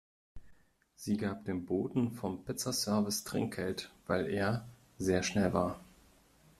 Sie gab dem Boten vom Pizza-Service Trinkgeld, weil er sehr schnell war.